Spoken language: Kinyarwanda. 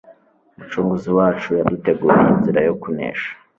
Umucunguzi wacu yaduteguriye inzira yo kunesha